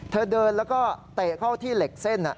เธอเดินแล้วก็เตะเข้าที่เหล็กเส้น